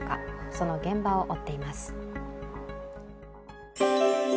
その現場を追っています。